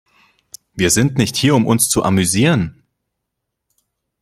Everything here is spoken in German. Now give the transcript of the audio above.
Wir sind nicht hier, um uns zu amüsieren.